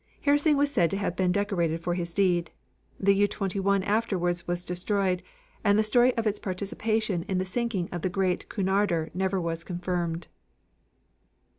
Hersing was said to have been decorated for his deed. The U 21 afterwards was destroyed and the story of its participation in the sinking of the great Cunarder never was confirmed.